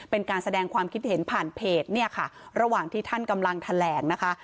เป็นการแสดงความคิดเห็นผ่านเพจเนี่ยค่ะระหว่างที่ท่านกำลังแถลงนะคะ